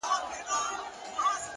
ځكه انجوني وايي له خالو سره راوتي يــو،